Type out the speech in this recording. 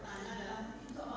saya tidak tahu